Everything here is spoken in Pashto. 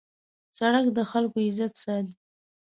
سړک د خلکو عزت ساتي.